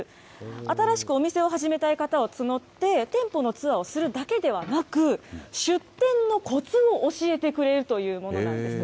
新しくお店を始めたい方を募って、店舗のツアーをするだけではなく、出店のこつを教えてくれるというものなんです。